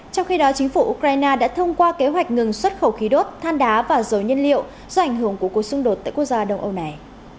trong khi đó chính phủ ukraine đã thông qua kế hoạch ngừng xuất khẩu khí đốt than đá và dầu nhân liệu do ảnh hưởng của cuộc xung đột tại quốc gia đông âu này